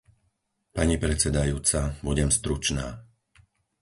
Pani predsedajúca, budem stručná.